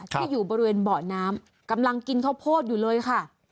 ที่อยู่บริเวณเบาะน้ำกำลังกินข้าวโพดอยู่เลยค่ะ